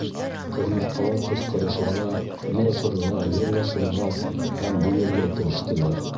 Ҡырмыҫҡалар ҡысҡырышырға, илашырға, йырлашырға һәм бейергә керештеләр.